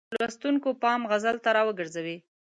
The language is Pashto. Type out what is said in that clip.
د لوستونکو پام غزل ته را وګرځوي.